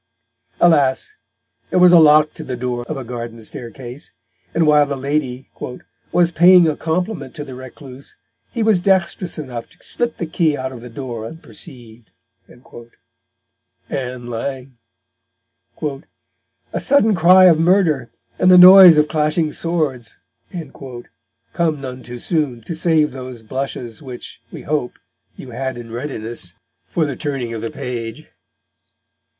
Alas! there was a lock to the door of a garden staircase, and while the lady "was paying a Compliment to the Recluse, he was dextrous enough to slip the Key out of the Door unperceived." Ann Lang! "a sudden cry of Murder, and the noise of clashing Swords," come none too soon to save those blushes which, we hope, you had in readiness for the turning of the page!